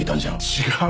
違う！